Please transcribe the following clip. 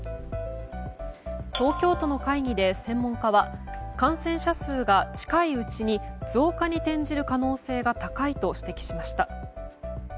東京都の会議で専門家は感染者数が近いうちに増加に転じる可能性が高いと指摘しました。